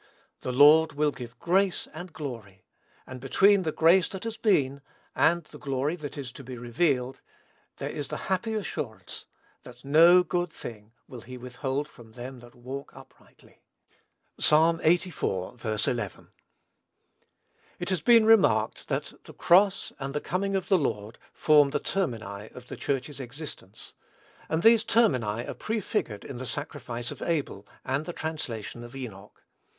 "The Lord will give grace and glory;" and between the grace that has been, and the glory that is to be, revealed, there is the happy assurance, that "no good thing will he withhold from them that walk uprightly." (Psalm lxxxiv. 11.) It has been remarked, that "the cross and the coming of the Lord form the termini of the Church's existence," and these termini are prefigured in the sacrifice of Abel, and the translation of Enoch.